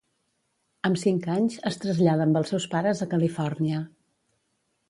Amb cinc anys, es trasllada amb els seus pares a Califòrnia.